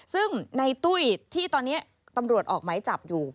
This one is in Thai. ซึ่งในตุ้ยที่ตอนนี้ตำรวจออกไม้จับอยู่